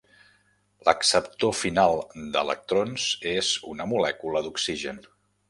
L'acceptor final d'electrons és una molècula d'oxigen.